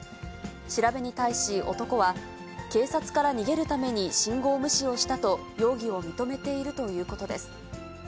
調べに対し、男は警察から逃げるために信号無視をしたと容疑を認めているということです。